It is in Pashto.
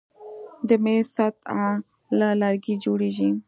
د میز سطحه له لرګي جوړیږي.